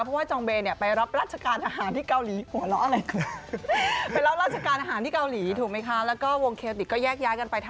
เพราะว่าจองเบนี่ก็ไปรับราชการอาหารที่เกาหลี